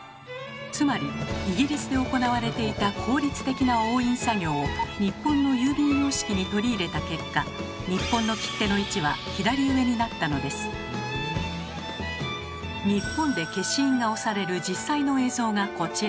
つまりイギリスで行われていた効率的な押印作業を日本の郵便様式に取り入れた結果日本で消印が押される実際の映像がこちら。